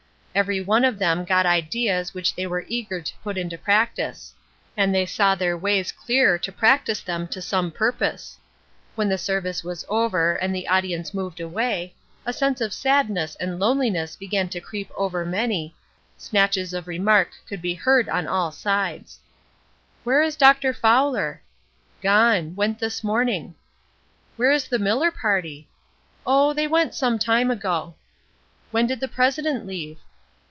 Every one of them got ideas which they were eager to put in practice; and they saw their ways clear to practise them to some purpose. When the service was over, and the audience moved away, a sense of sadness and lonliness began to creep over many, snatches of remark could be heard on all sides. "Where is Dr. Fowler?" "Gone: went this morning." "Where is the Miller party?" "Oh, they went some time ago." "When did the president leave?"